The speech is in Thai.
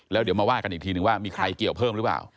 แล้วเดี๋ยวมาว่ากันอีกทีนึงว่ามีใครเกี่ยวเพิ่มหรือเปล่า